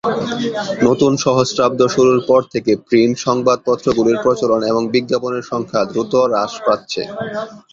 নতুন সহস্রাব্দ শুরুর পর থেকে প্রিন্ট সংবাদপত্রগুলির প্রচলন এবং বিজ্ঞাপনের সংখ্যা দ্রুত হ্রাস পাচ্ছে।